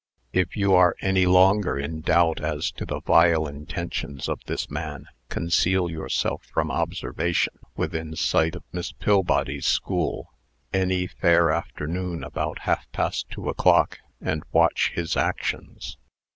If you are any longer in doubt as to the vile intentions of this man, conceal yourself from observation within sight of Miss Pillbody's school, any fair afternoon, about half past two o'clock, and watch his actions.